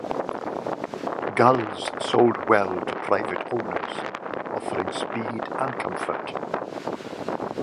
Gulls sold well to private owners, offering speed and comfort.